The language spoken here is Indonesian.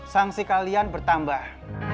sanksi kalian bertambah